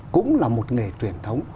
cũng là một nghề truyền thống